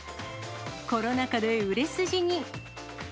コロナ禍で売れ筋に。